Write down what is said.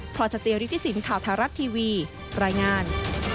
พศตรีศิลป์ข่าวทารัททีวีรายงาน